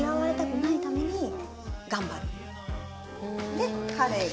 で彼が。